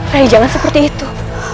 rai jangan seperti itu